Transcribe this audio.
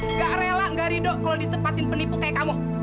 enggak rela enggak rido kalau ditempatin penipu kayak kamu